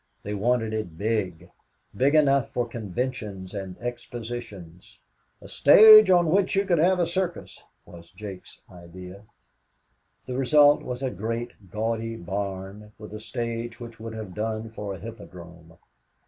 They wanted it big big enough for conventions and expositions "a stage on which you could have a circus," was Jake's idea. The result was a great, gaudy barn with a stage which would have done for a hippodrome.